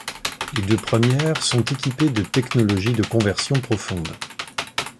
Les deux premières sont équipées de technologies de conversion profonde.